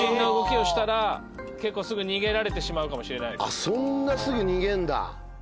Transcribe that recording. やっぱそんなすぐ逃げんだ。